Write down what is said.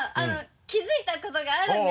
気づいたことがあるんですよ。